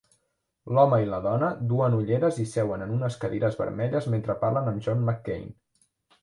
L'home i la dona duen ulleres i seuen en unes cadires vermelles mentre parlen amb John McCain